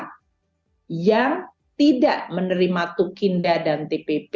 kami akan mencari tukin daerah yang tidak menerima tukin dan tpp